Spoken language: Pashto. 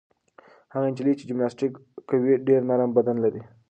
هغه نجلۍ چې جمناسټیک کوي ډېر نرم بدن لري.